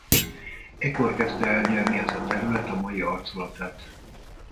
Ekkor kezdte elnyerni ez a terület mai arculatát.